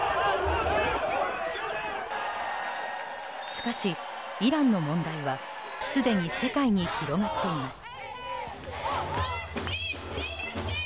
しかし、イランの問題はすでに世界に広がっています。